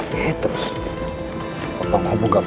pantus saja nggak fokus